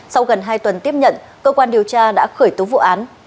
sau gần hai tuần tiếp nhận cơ quan điều tra đã khởi tố vụ án